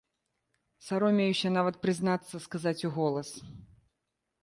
Саромеюся нават прызнацца, сказаць уголас.